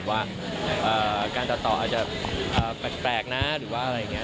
ว่าการตัดต่ออาจจะแปลกนะหรือว่าอะไรอย่างนี้